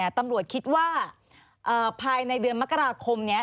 ตำรวจคิดว่าภายในเดือนมกราคมนี้